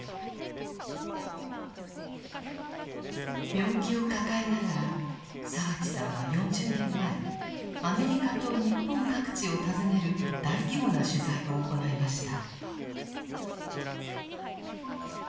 病気を抱えながら澤地さんは４０年前アメリカと日本各地を訪ねる大規模な取材を行いました。